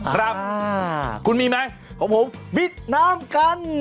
ครับคุณมีไหมกับผมวิธิน้ำกัน